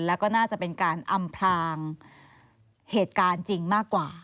แล้วก็น่าจะเป็นการอำพลางเหตุการณ์จริงมากกว่า